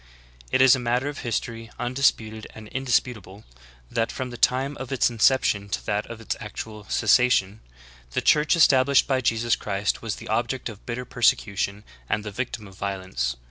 It is a matter of history, undisputed and indisputable, that from the time of its inception to that of its actual cessation, the Church established by Jesus Christ was the object of bitter persecution, and the victim of violence.